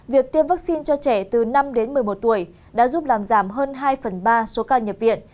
việc tiêm vaccine cho trẻ từ năm đến một mươi một tuổi đã giúp làm giảm hơn hai phần ba số ca nhập viện